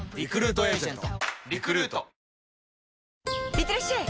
いってらっしゃい！